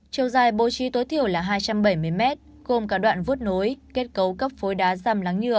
chiều dài bố trí tối thiểu là hai trăm bảy mươi mét gồm cả đoạn vút nối kết cấu cấp phối đá răm lắng nhựa